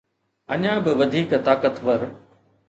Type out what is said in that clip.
اڃا به وڌيڪ طاقتور